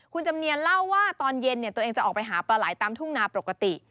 คุณจำเนียนเล่าว่าตอนเย็นตัวเองจะออกไปหาปลาไหลตามทุ่งนาปกติ